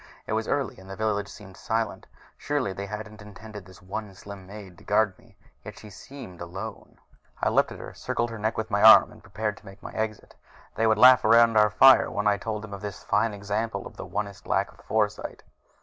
It was early and the village seemed silent surely they hadn't intended this one slim maid to guard me! Yet she seemed alone. I leaped at her, circled her neck with my arm, prepared to make my exit. They would laugh around our fire when I told them of this fine example of the Onist lack of foresight....